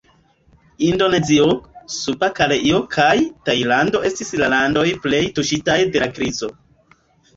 Indonezio, Suda Koreio, kaj Tajlando estis la landoj plej tuŝitaj dela krizo.